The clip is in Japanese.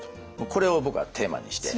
これを僕はテーマにして。